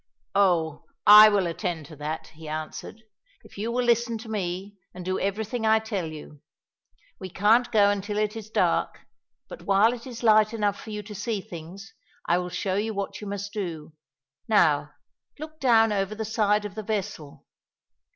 "Oh! I will attend to that," he answered, "if you will listen to me and do everything I tell you. We can't go until it is dark, but while it is light enough for you to see things I will show you what you must do. Now, look down over the side of the vessel."